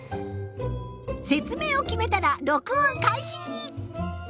説明を決めたら録音開始！